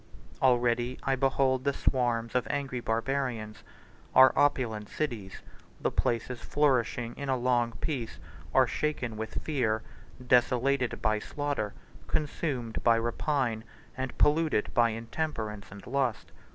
Already I behold the swarms of angry Barbarians: our opulent cities, the places flourishing in a long peace, are shaken with fear, desolated by slaughter, consumed by rapine, and polluted by intemperance and lust.